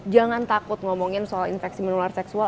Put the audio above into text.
jangan takut ngomongin soal infeksi menular seksual